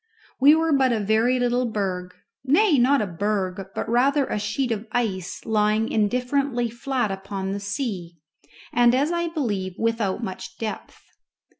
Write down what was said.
We were but a very little berg, nay, not a berg, but rather a sheet of ice lying indifferently flat upon the sea, and, as I believe, without much depth.